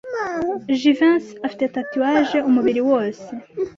Jivency afite tatouage umubiri wose.